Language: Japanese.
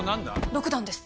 ６段です。